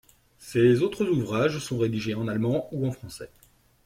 Ses autres ouvrages sont rédigés en allemand ou en français.